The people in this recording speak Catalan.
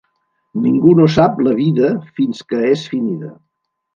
Ningú no sap la vida fins que és finida.